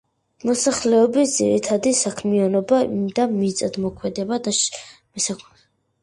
მოსახლეობის ძირითადი საქმიანობა იყო მიწათმოქმედება და მესაქონლეობა.